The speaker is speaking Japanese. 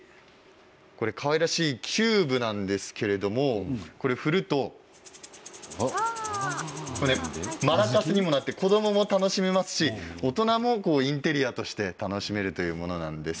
かわいらしいキューブなんですけども振るとマラカスにもなって子どもも楽しめますし大人もインテリアとして楽しめるというものなんです。